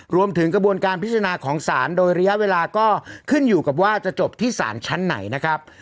รวมถึงกระบวนการพิจารณาของศาลโดยระยะเวลาก็ขึ้นอยู่กับว่าจะจบที่สารชั้นไหนนะครับ